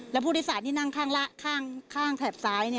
แล้วผู้โดยสารที่นั่งข้างแถบซ้าย